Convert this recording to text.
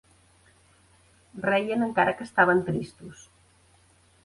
Reien encara que estaven tristos.